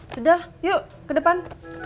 sudah yuk ke depan